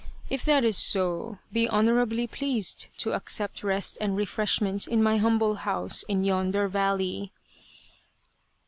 If that is so, be honourably pleased to accept rest and refreshment in my humble house in yonder valley."